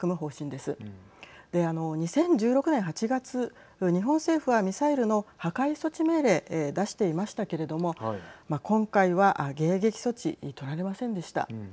で、２０１６年８月日本政府はミサイルの破壊措置命令出していましたけれども今回は迎撃措置、取られませんでした。